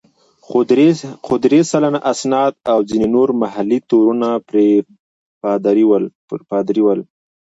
خو درې سلنه اسناد او ځینې نور محلي تورونه پر پادري ول.